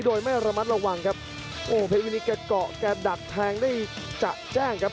โดยไม่ระมัดระวังครับโอ้เพวินีแกเกาะแกดักแทงได้จะแจ้งครับ